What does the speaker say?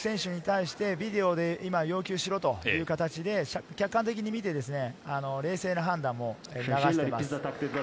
ここでベンチも選手に対してビデオで、今、要求しろという形で客観的に見て、冷静な判断を促しています。